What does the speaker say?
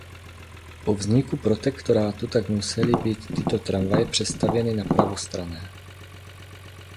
Po vzniku protektorátu tak musely být tyto tramvaje přestavěny na pravostranné.